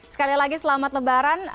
sekali lagi selamat lebaran